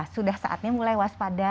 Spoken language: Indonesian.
sudah saatnya mulai waspada